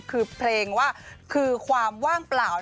คือเพลงว่าคือความว่างเปล่า